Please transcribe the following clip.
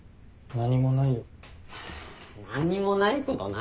何もないことないだろ。